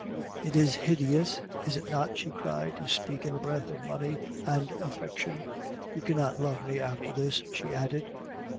"It is hideous, is it not," she cried, "to speak in a breath of money and affection. You cannot love me after this," she added.